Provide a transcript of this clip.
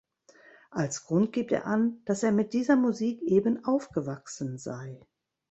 Als Grund gibt er an, dass er mit dieser Musik eben aufgewachsen sei.